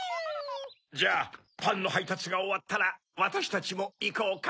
じゃあパンのはいたつがおわったらわたしたちもいこうか。